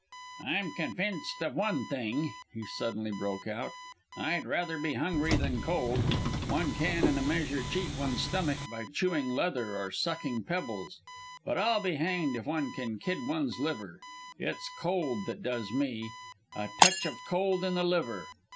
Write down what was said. "I'm convinced of one thing," he suddenly broke out; "I'd rather be hungry than cold. One can, in a measure, cheat one's stomach by chewing leather or sucking pebbles, but I'll be hanged if one can kid one's liver. It's cold that does me! A touch of cold on the liver!